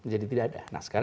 jadi tidak ada nah sekarang